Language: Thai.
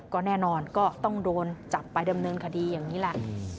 ก็แน่นอนก็ต้องโดนจับไปดำเนินคดีอย่างนี้แหละ